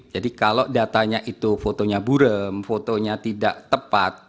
jadi kalau datanya itu fotonya burem fotonya tidak tepat